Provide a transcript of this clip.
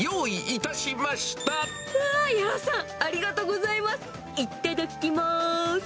いただきます。